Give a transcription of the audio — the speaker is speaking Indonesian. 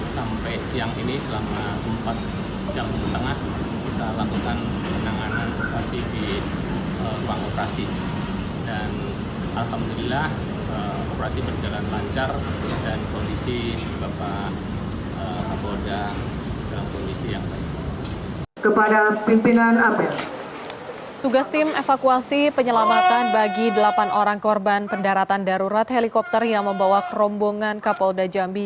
tim medis rumah sakit polri kramat jati jakarta timur telah melakukan operasi terhadap kapolda jambi